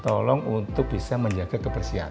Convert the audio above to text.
tolong untuk bisa menjaga kebersihan